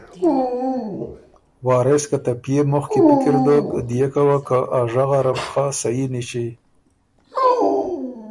وارث که ته پئے مُخ کی پِکِر دوک ديېکه وه که ا ژغه ره بو خه صحیح نِݭی